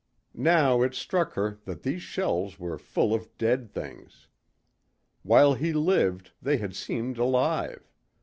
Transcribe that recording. Now it struck her that these shells were full of dead things. While he lived they had seemed alive.